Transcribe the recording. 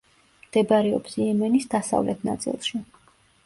მდებარეობს იემენის დასავლეთ ნაწილში.